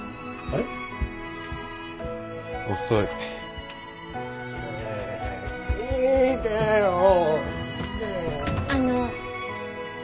あの。